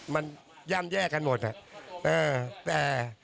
มันย่ำแยกกันหมดน่ะ